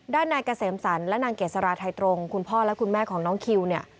นายเกษมสรรและนางเกษราไทยตรงคุณพ่อและคุณแม่ของน้องคิวเนี่ย